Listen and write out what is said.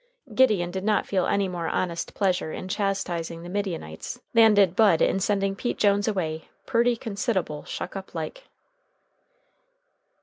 Gideon did not feel any more honest pleasure in chastising the Midianites than did Bud in sending Pete Jones away purty consid'able shuck up like.